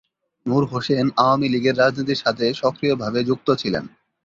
নূর হোসেন আওয়ামী লীগের রাজনীতির সাথে সক্রিয়ভাবে যুক্ত ছিলেন।